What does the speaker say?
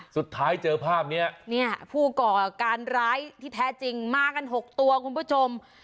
สุดท้ายเจอภาพนี้พู่ก่อการร้ายแท้จริงมากันหกตัวคุณผู้ชม